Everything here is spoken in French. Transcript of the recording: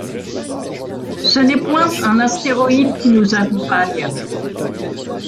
Ce n’est point un astéroïde qui nous accompagne!